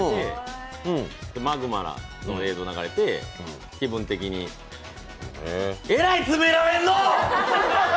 マグマの映像が流れて、気分的にえらい詰められんのう！